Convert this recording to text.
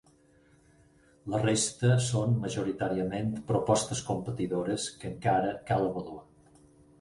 La resta són majoritàriament propostes competidores que encara cal avaluar.